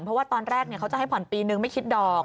เพราะว่าตอนแรกเขาจะให้ผ่อนปีนึงไม่คิดดอก